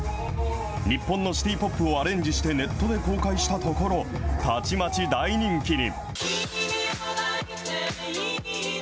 日本のシティ・ポップをアレンジしてネットで公開したところ、たちまち大人気に。